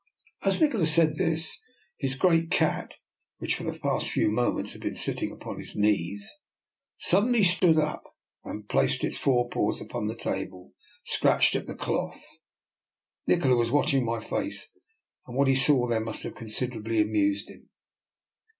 As Nikola said this, his great cat, which for the past few moments had been sitting upon his knees, suddenly stood up, and plac ing its forepaws upon the table scratched at the cloth. Nikola was watching my face, and what he saw there must have considerably amused him.